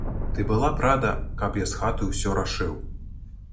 Ты была б рада, каб я з хаты ўсё рашыў?